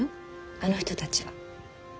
あの人たちは。